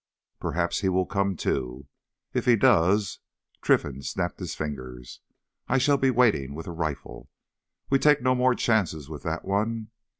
Perhaps he will come, too. If he does"—Trinfan snapped his fingers—"I shall be waiting with a rifle. We take no more chances with that one!